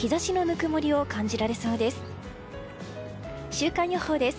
週間予報です。